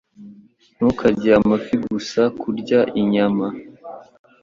Ntukarye amafi gusa Kurya inyama